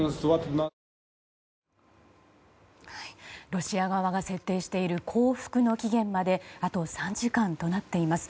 ロシア側が設定している降伏の期限まであと３時間となっています。